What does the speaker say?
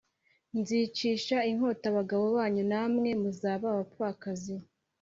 Nzicisha inkota abagabo banyu namwe muzaba abapfakazi